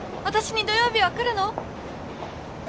私に土曜日は来るの？